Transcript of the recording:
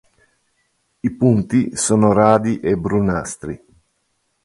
I punti sono radi e brunastri.